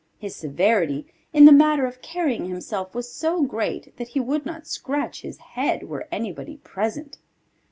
His severity, in the matter of carrying himself, was so great that he would not scratch his head were anybody present.